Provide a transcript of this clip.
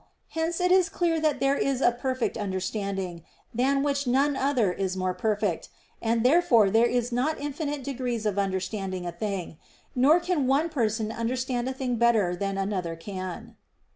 Hence it is clear that there is a perfect understanding, than which none other is more perfect: and therefore there are not infinite degrees of understanding a thing: nor can one person understand a thing better than another can."